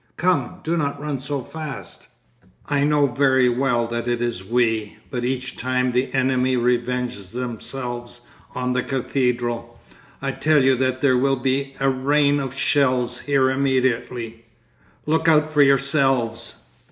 Come, do not run so fast." "I know very well that it is we, but each time the enemy revenge themselves on the cathedral. I tell you that there will be a rain of shells here immediately. Look out for yourselves."